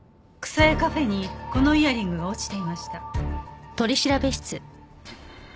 草谷カフェにこのイヤリングが落ちていました。